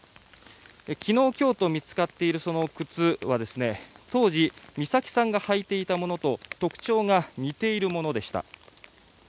昨日、今日と見つかっているその靴は当時、美咲さんが履いていたものと特徴が似ているものでした。